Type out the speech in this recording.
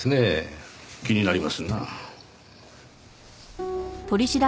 気になりますなあ。